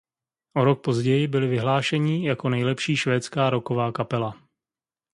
O rok později byli vyhlášení jako nejlepší švédská rocková kapela.